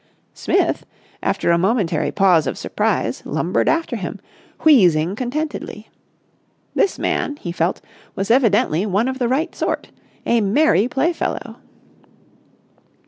Smith, after a momentary pause of surprise, lumbered after him, wheezing contentedly. This man, he felt, was evidently one of the right sort, a merry playfellow.